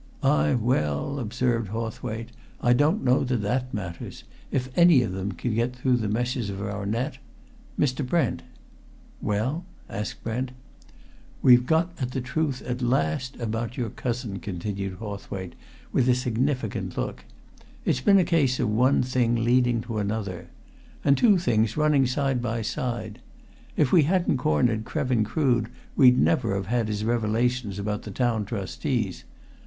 "Ay, well!" observed Hawthwaite. "I don't know that that matters! If any of them can get through the meshes of our net ... Mr. Brent!" "Well?" asked Brent. "We've got at the truth at last about your cousin," continued Hawthwaite, with a significant look. "It's been a case of one thing leading to another. And two things running side by side. If we hadn't cornered Krevin Crood we'd never have had his revelations about the Town Trustees.